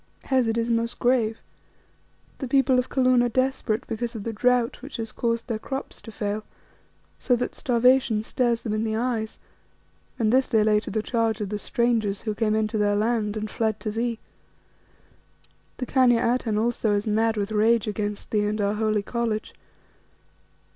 "Hes, it is most grave. The people of Kaloon are desperate because of the drought which has caused their crops to fail, so that starvation stares them in the eyes, and this they lay to the charge of the strangers who came into their land and fled to thee. The Khania Atene also is mad with rage against thee and our holy College.